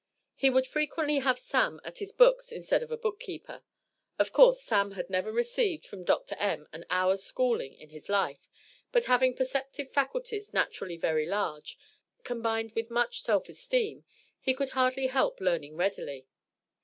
He would frequently have "Sam" at his books instead of a book keeper. Of course, "Sam" had never received, from Dr. M., an hour's schooling in his life, but having perceptive faculties naturally very large, combined with much self esteem, he could hardly help learning readily.